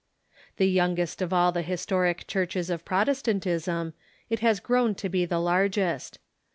The youngest of all the historic churches of Protes tantism, it has grown to be the largest.